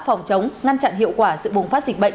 phòng chống ngăn chặn hiệu quả sự bùng phát dịch bệnh